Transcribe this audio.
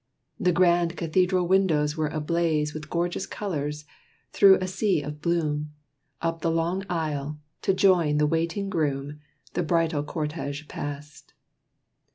The grand cathedral windows were ablaze With gorgeous colors; through a sea of bloom, Up the long aisle, to join the waiting groom, The bridal cortege passed.